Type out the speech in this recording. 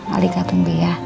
halika tunggu ya